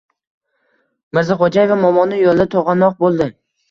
Mirzaxo‘jaeva momoni yo‘lida to‘g‘onoq bo‘ldi.